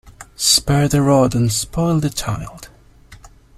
Spare the rod and spoil the child.